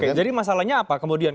oke jadi masalahnya apa kemudian